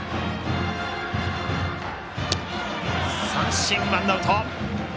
三振、ワンアウト。